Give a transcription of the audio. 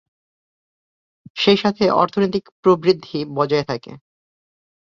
সেই সাথে অর্থনৈতিক প্রবৃদ্ধি বজায় থাকে।